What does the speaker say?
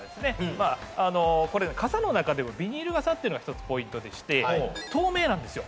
まあこれ傘の中でもビニール傘っていうのが一つポイントでして透明なんですよ。